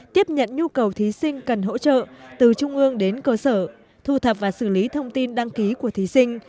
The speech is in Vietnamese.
tiếp nhận nhu cầu thí sinh cần hỗ trợ từ trung ương đến cơ sở thu thập và xử lý thông tin đăng ký của thí sinh